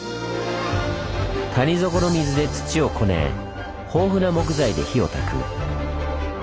谷底の水で土をこね豊富な木材で火をたく。